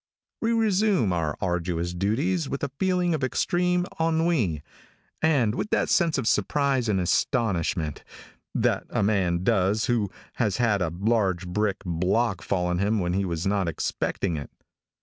We resume our arduous duties with a feeling of extreme ennui, and with that sense of surprise and astonishment that a man does who has had a large brick block fall on him when he was not expecting it.